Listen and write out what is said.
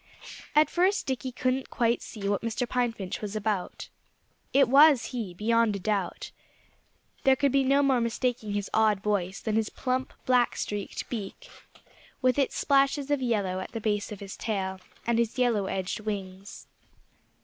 At first Dickie couldn't quite see what Mr. Pine Finch was about. It was he, beyond a doubt. There could be no more mistaking his odd voice than his plump, black streaked back, with its splashes of yellow at the base of his tail, and his yellow edged wings.